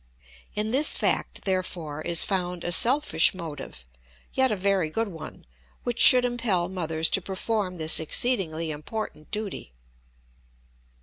In this fact, therefore, is found a selfish motive, yet a very good one, which should impel mothers to perform this exceedingly important duty.